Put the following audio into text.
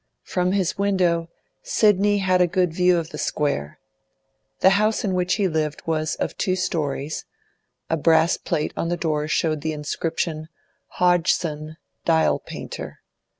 From his window Sidney had a good view of the Square. The house in which he lived was of two storeys; a brass plate on the door showed the inscription, 'Hodgson, Dial Painter.